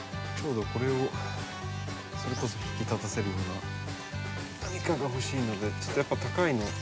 ちょうどこれをそれこそ引き立たせるような何かが欲しいのでちょっとやっぱ高いの。